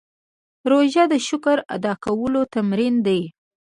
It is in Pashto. روژه د شکر ادا کولو تمرین دی.